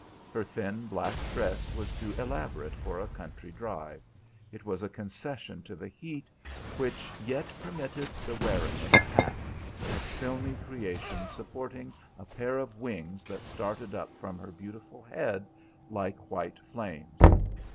Her thin black dress was too elaborate for a country drive; it was a concession to the heat which yet permitted the wearing of a hat, a filmy creation supporting a pair of wings that started up from her beautiful head like white flames.